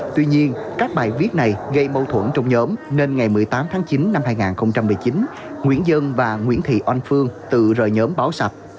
tuy nhiên các bài viết này gây mâu thuẫn trong nhóm nên ngày một mươi tám tháng chín năm hai nghìn một mươi chín nguyễn dân và nguyễn thị oanh phương tự rời nhóm báo sập